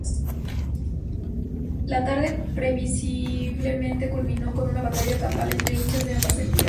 La tarde, previsiblemente, culminó con una batalla campal entre hinchas de ambas entidades.